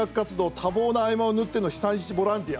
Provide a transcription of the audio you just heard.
多忙な合間を縫っての被災地ボランティア。